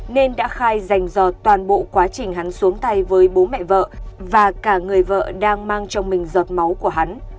nên đã khai dành dò toàn bộ quá trình hắn xuống tay với bố mẹ vợ và cả người vợ đang mang trong mình giọt máu của hắn